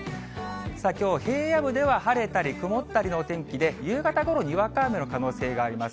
きょう、平野部では晴れたり曇ったりのお天気で夕方ころ、にわか雨の可能性があります。